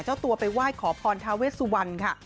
เจ้าตัวไปไหว้ขอพรทาเวสวรรณค่ะ